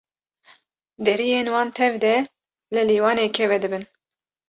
Deriyên wan tev de li lîwanekê vedibin.